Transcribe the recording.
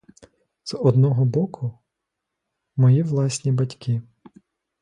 З одного боку — мої власні батьки.